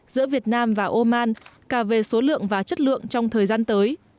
giữa việt nam và oman cả về số lượng và chất lượng trong thời gian tới